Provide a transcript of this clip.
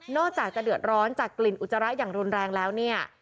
อกจากจะเดือดร้อนจากกลิ่นอุจจาระอย่างรุนแรงแล้วเนี่ย